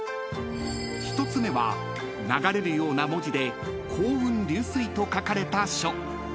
［１つ目は流れるような文字で「行雲流水」と書かれた書］